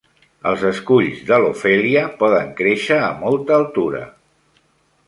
Els esculls de "Lophelia" poden créixer a molta altura.